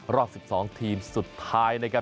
รอบสิบสองทีมสุดท้ายนะครับ